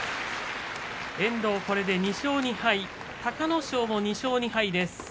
遠藤、これで２勝２敗隆の勝も２勝２敗です。